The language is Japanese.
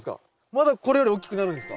まだこれより大きくなるんですか？